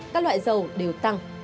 các loại dầu đều tăng